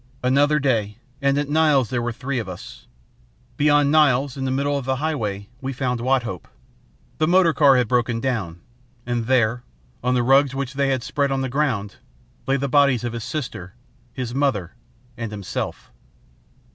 "Another day, and at Niles there were three of us. Beyond Niles, in the middle of the highway, we found Wathope. The motor car had broken down, and there, on the rugs which they had spread on the ground, lay the bodies of his sister, his mother, and himself.